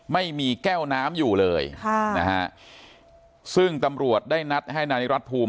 ไม่มีแก้วน้ำอยู่เลยค่ะนะฮะซึ่งตำรวจได้นัดให้นายนิรัติภูมิ